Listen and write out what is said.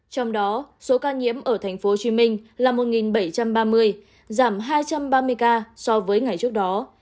trong đó số ca nhiễm ở tp hcm là một bảy trăm ba mươi giảm hai trăm ba mươi ca so với ngày trước đó